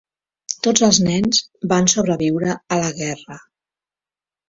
Tots els nens van sobreviure a la guerra.